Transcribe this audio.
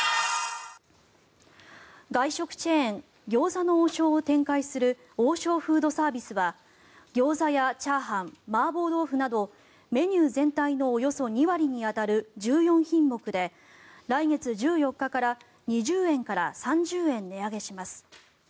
外食チェーン餃子の王将を展開する王将フードサービスはギョーザやチャーハンマーボー豆腐などメニュー全体のおよそ２割に当たる１４品目で来月１４日から２０円から３０円値上げします。